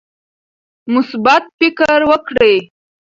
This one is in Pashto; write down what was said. مثبت فکر وکړئ.